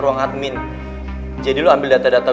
ruang admin jadi lo ambil data data